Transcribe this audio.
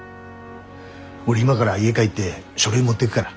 俺今から家帰って書類持ってぐから。